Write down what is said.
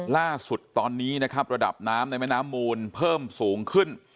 ล่าสุดตอนนี้นะครับระดับน้ำในแม่น้ำมูลเพิ่มสูงขึ้น